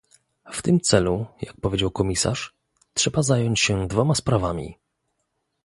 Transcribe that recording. W tym celu - jak powiedział Komisarz - trzeba zająć się dwoma sprawami